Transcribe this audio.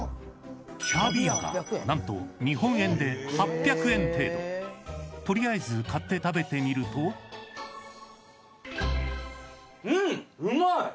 キャビアがなんと日本円で８００円程度取りあえず買って食べてみるとうんうまい！